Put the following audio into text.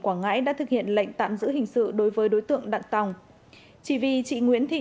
quảng ngãi đã thực hiện lệnh tạm giữ hình sự đối với đối tượng đặng tòng chỉ vì chị nguyễn thị